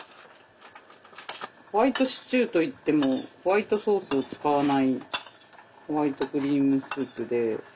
ホワイトシチューといってもホワイトソースを使わないホワイトクリームスープで。